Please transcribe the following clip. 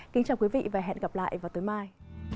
kính chào quý vị và hẹn gặp lại vào tối mai